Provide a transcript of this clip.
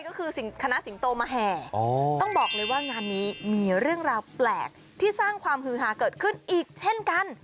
ก็คือคณะสิงโตมาแห่ต้องบอกเลยว่างานนี้มีเรื่องราวแปลกที่สร้างความฮือหาเกิดขึ้นอีกเช่นกัน